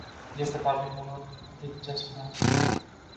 یہ کتاب بہت دلچسپ ہے